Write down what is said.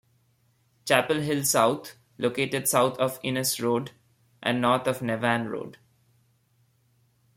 Chapel Hill South: Located south of Innes Road, and north of Navan Road.